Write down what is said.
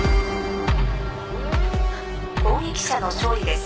攻撃者の勝利です。